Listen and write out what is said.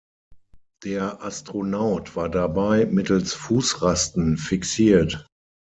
Der Astronaut war dabei mittels Fußrasten fixiert.